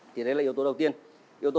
thì đấy là yếu tố đầu tiên yếu tố